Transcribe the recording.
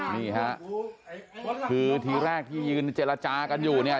นี่ฮะคือทีแรกที่ยืนเจรจากันอยู่เนี่ย